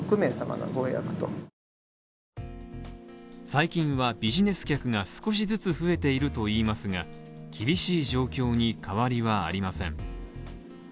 最近はビジネス客が少しずつ増えているといいますが、厳しい状況に変わりはありません。